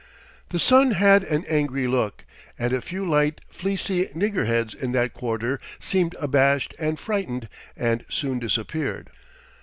The sun had an angry look, and a few light, fleecy "nigger heads" in that quarter seemed abashed and frightened and soon disappeared.